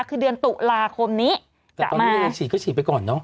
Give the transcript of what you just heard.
คือเดือนตุลาคมนี้จะมาแต่ตอนนี้ยังไงฉีดก็ฉีดไปก่อนเนอะ